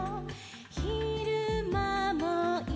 「ひるまもいるよ」